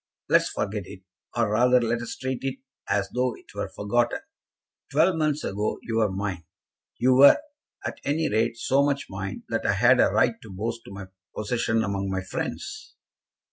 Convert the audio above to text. "Let us forget it, or rather, let us treat it as though it were forgotten. Twelve months ago you were mine. You were, at any rate, so much mine that I had a right to boast of my possession among my friends."